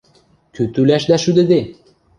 – Кӱ тӱлӓшдӓ шӱдыде?